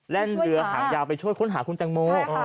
เล่นเรือหางยาวไปช่วยค้นหาคุณแตงโม